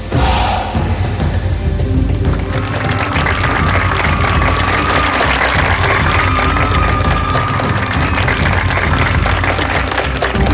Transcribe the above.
โชว์สี่ภาคจากอัลคาซ่าครับ